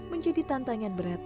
menjadi tantangan berat